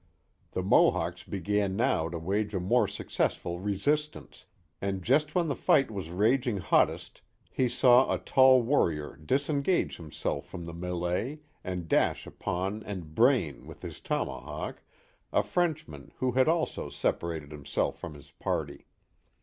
The Mohawks began now to wage a more successful resistance, and just when the fight was raging hottest he saw a tall warrior disengage himself from the mel^e and dash upon and brain, with his tomahawk, a French man who had also separated himself from his party.